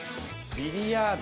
ビリヤード。